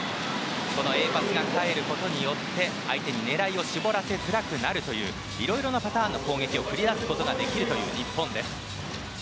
そのＡパスが返ることによって相手に狙いを絞らせづらくなるといういろいろなパターンの攻撃を繰り出すことができる日本です。